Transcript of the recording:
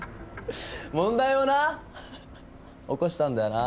問題をな起こしたんだよな？